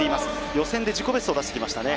予選で自己ベストを出してきましたね。